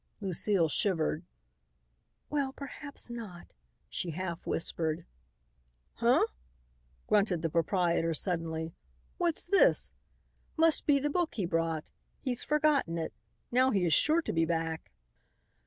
Lucile shivered. "Well, perhaps not," she half whispered. "Huh!" grunted the proprietor suddenly, "what's this? Must be the book he brought. He's forgotten it. Now he is sure to be back."